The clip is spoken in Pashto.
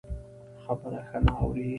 خبره ښه نه اوري.